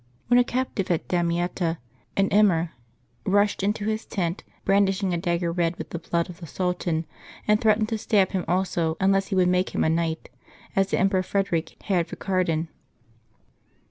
When a captive at Damietta, an Emir rushed into his tent brandishing a dagger red with the blood of the Sultan, and threatened to stab him also unless he would make him a knight, as the Emperor Fred erick had Facardin.